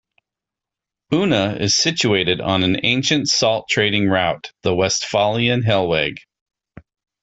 Unna is situated on an ancient salt-trading route, the Westphalian Hellweg.